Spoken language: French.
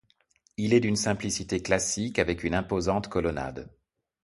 Il est d'une simplicité classique, avec une imposante colonnade.